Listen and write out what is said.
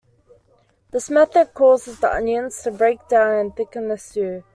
This method causes the onions to break down and thicken the stew.